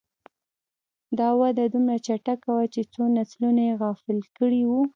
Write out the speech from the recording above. دا وده دومره چټکه وه چې څو نسلونه یې غافل کړي وو.